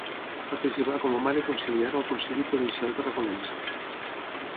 Participà com a mare conciliar al Concili Provincial Tarraconense.